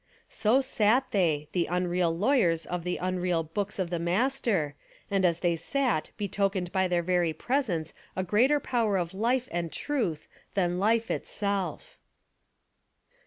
So sat they, the unreal lawyers of the unreal books of the Master, and as they sat betokened by their very presence a greater power of life and truth than life itself.